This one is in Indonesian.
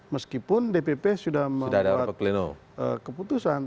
meskipun dpp sudah membuat keputusan